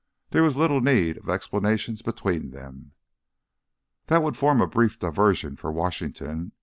There was little need of explanations between them. "That would form a brief diversion for Washington.